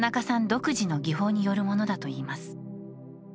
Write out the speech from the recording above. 独自の技法によるものだといいます。